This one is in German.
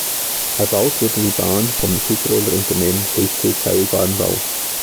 Erbaut wurde die Bahn vom Südtiroler Unternehmen Hölzl Seilbahnbau.